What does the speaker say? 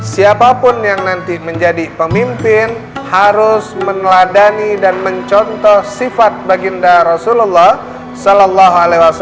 siapapun yang nanti menjadi pemimpin harus meneladani dan mencontoh sifat baginda rasulullah saw